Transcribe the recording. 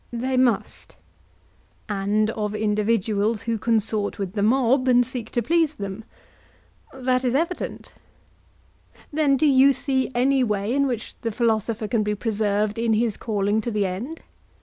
They must. And of individuals who consort with the mob and seek to please them? That is evident. Then, do you see any way in which the philosopher can be preserved in his calling to the end?